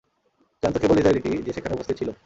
জানতো কেবল ইসরাঈলীটি, যে সেখানে উপস্থিত ছিল।